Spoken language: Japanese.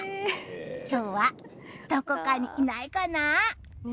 今日はどこかにいないかな？